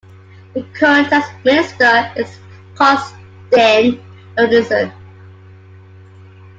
The current Tax Minister is Karsten Lauritzen.